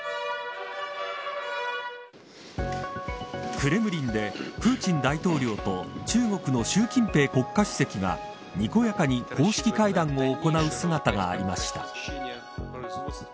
クレムリンでプーチン大統領と中国の習近平国家主席がにこやかに公式会談を行う姿がありました。